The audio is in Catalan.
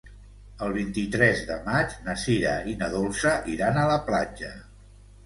El vint-i-tres de maig na Sira i na Dolça iran a la platja.